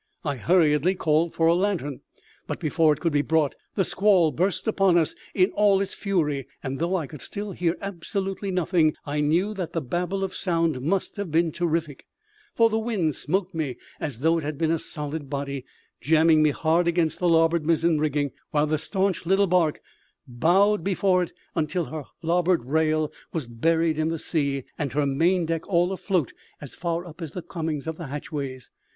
I hurriedly called for a lantern; but before it could be brought the squall burst upon us in all its fury; and though I could still hear absolutely nothing, I know that the Babel of sound must have been terrific, for the wind smote me as though it had been a solid body, jamming me hard against the larboard mizzen rigging, while the staunch little barque bowed before it until her larboard rail was buried in the sea and her maindeck all afloat as far up as the coamings of the hatchways.